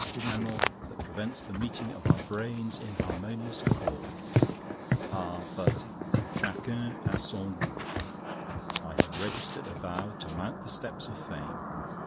A channel that prevents the meeting of our brains in harmonious accord. Ah! But chaçun à son goût. "I have registered a vow to mount the steps of fame.